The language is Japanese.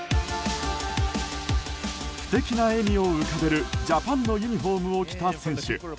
不敵な笑みを浮かべるジャパンのユニホームを着た選手。